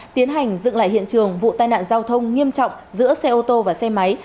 tiến hành dựng lại hiện trường vụ tai nạn giao thông nghiêm trọng giữa xe ô tô và xe máy